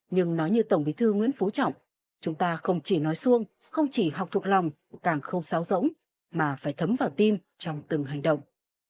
nhưng nói như tổng bí thư nguyễn phú trọng chúng ta không chỉ nói xuông không chỉ học thuộc lòng càng không xáo rỗng mà phải thấm vào tim trong từng hành động